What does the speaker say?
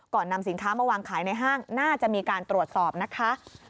นำสินค้ามาวางขายในห้างน่าจะมีการตรวจสอบนะคะ